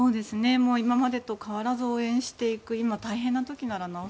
今までと変わらず応援していく今、大変な時ならなお